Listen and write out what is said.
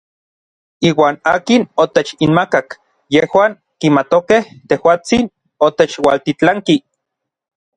Iuan akin otechinmakak yejuan kimatokej tejuatsin otechualtitlanki.